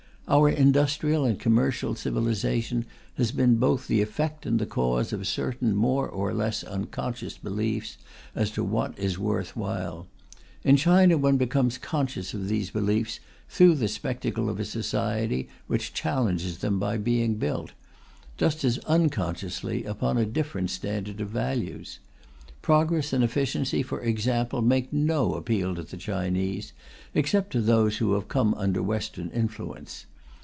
Our industrial and commercial civilization has been both the effect and the cause of certain more or less unconscious beliefs as to what is worth while; in China one becomes conscious of these beliefs through the spectacle of a society which challenges them by being built, just as unconsciously, upon a different standard of values. Progress and efficiency, for example, make no appeal to the Chinese, except to those who have come under Western influence.